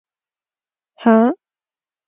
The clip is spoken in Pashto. _هه!